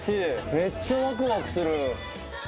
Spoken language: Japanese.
めっちゃワクワクする。